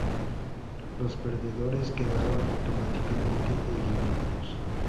Los perdedores quedaron automáticamente eliminados.